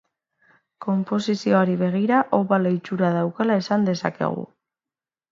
Konposizioari begira, obalo itxura daukala esan dezakegu.